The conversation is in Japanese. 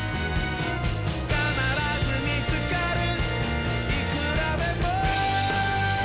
「かならずみつかるいくらでも」